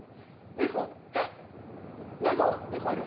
猫いる？